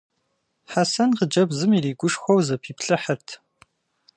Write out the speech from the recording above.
Хьэсэн хъыджэбзым иригушхуэу зэпиплъыхьырт.